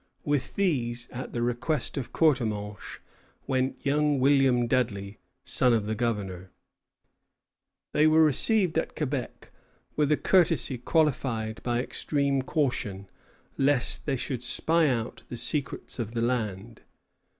With these, at the request of Courtemanche, went young William Dudley, son of the governor. They were received at Quebec with a courtesy qualified by extreme caution, lest they should spy out the secrets of the land.